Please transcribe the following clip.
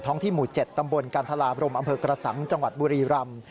ที่หมู่๗ตำบลกันทราบรมอำเภอกระสังจังหวัดบุรีรำ